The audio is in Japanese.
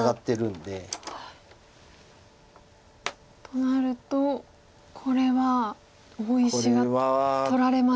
となるとこれは大石が取られましたか。